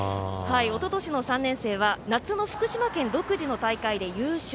おととしの３年生は夏の福島県独自の大会で優勝。